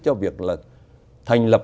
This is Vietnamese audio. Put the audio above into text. cho việc là thành lập